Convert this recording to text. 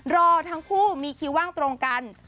รอทั้งคู่มีคิวว่างตรงกัน